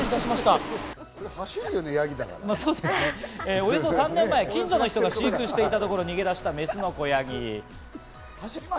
およそ３年前、近所の人が飼育していたところ、逃げ出したメスの子ヤギ。